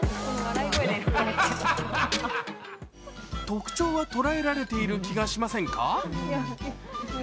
特徴は捉えられている気がしませんか？